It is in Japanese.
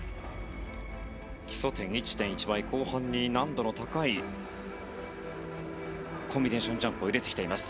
基礎点１．１倍後半に難度の高いコンビネーションジャンプを入れてきています。